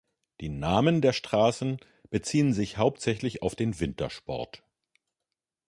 Die Namen der Straßen beziehen sich hauptsächlich auf den Wintersport.